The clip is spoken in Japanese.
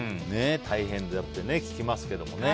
大変だって聞きますけどもね。